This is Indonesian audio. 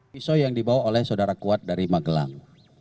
pisau yang dibawa oleh saudara kuat dari magelang